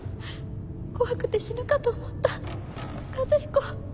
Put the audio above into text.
怖くて死ぬかと思った和彦。